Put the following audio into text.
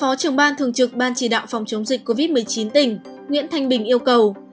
phó trưởng ban thường trực ban chỉ đạo phòng chống dịch covid một mươi chín tỉnh nguyễn thanh bình yêu cầu